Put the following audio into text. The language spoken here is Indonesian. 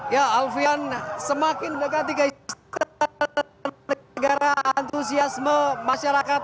ya alfian semakin dekat di kaitan negara antusiasme masyarakat